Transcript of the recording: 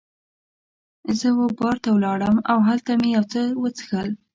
زه وه بار ته ولاړم او هلته مې یو څه وڅښل.